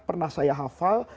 pernah saya hafal